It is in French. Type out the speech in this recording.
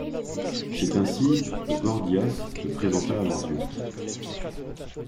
C'est ainsi que Gordias se présenta à leurs yeux.